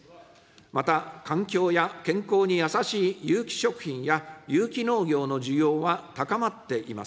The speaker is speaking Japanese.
また、環境や健康にやさしい有機食品や、有機農業の需要は高まっています。